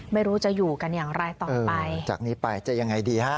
ไม่รู้จะอยู่กันอย่างไรต่อไปจากนี้ไปจะยังไงดีฮะ